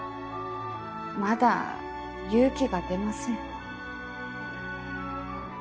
まだ勇気が出ません。